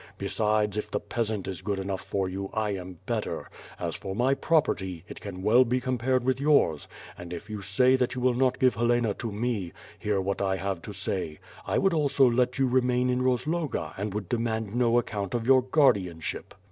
Besides if the peasant is good enough for you, I am better; as for my property, it can well be compared with yours, and if you say that you will not give Helena to me, hear what I have to say. I would also let you remain in Rozloga and would demand no account of your guardianship."